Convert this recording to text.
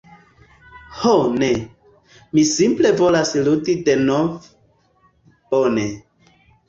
Ho ne, mi simple volas ludi denove. Bone.